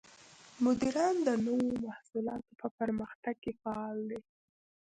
مدیران د نوو محصولاتو په پرمختګ کې فعال دي.